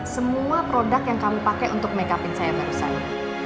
semua produk yang kamu pakai untuk makeup in saya menurut saya